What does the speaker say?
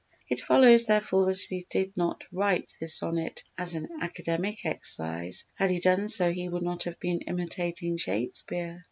It follows therefore that he did not write this sonnet as an academic exercise, had he done so he would not have been imitating Shakespeare.